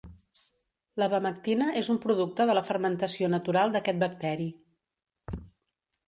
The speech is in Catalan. L'abamectina és un producte de la fermentació natural d'aquest bacteri.